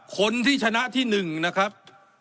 คนที่ชนะที่๑นะครับ